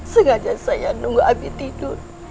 sengaja saya nunggu abi tidur